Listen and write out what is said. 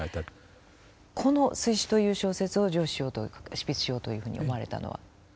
この「水死」という小説を上梓しようと執筆しようというふうに思われたのは？